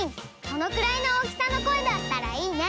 そのくらいの大きさの声だったらいいね。